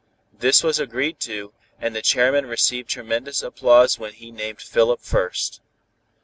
This was agreed to, and the chairman received tremendous applause when he named Philip first.